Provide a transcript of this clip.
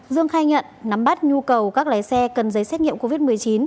dương khai nhận nắm bắt nhu cầu các lái xe cần giấy xét nghiệm covid một mươi chín